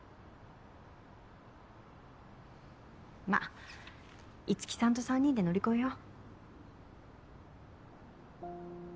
まあ樹さんと３人で乗り越えよう。